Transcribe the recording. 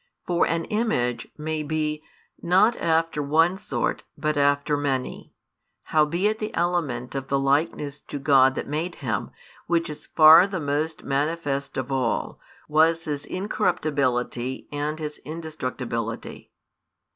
For an image may be, not after one sort, but after many; howbeit the element of the likeness to God that made him, which is far the most manifest of all, was his incorruptibility and indestructibility.